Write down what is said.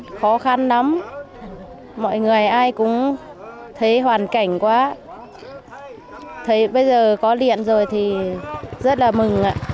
khó khăn lắm mọi người ai cũng thấy hoàn cảnh quá thấy bây giờ có điện rồi thì rất là mừng ạ